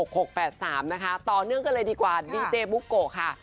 ใช่เออนะคะ๖๖๘๓นะคะต่อเนื่องกันเลยดีกว่าดีเจบุ๊กโกะค่ะ